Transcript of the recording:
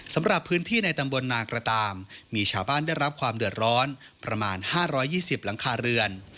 สำหรับพื้นที่ในตำบลนากระตามมีชาวบ้านได้รับความเดือดร้อนประมาณ๕๒๐หลังคาเรือน